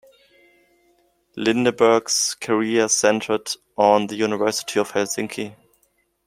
Lindeberg's career centred on the University of Helsinki.